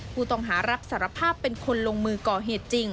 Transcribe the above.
ผู้ต้องหารับสารภาพเป็นคนลงมือก่อเหตุจริง